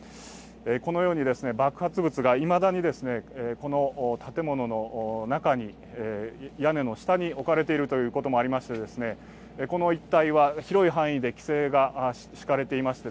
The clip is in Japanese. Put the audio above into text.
このように爆発物がいまだにこの建物の中に、屋根の下に置かれているということもありまして、この一帯は広い範囲で規制が敷かれていまして、